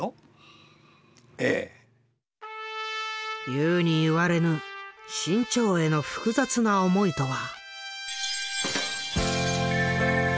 言うに言われぬ志ん朝への複雑な思いとは？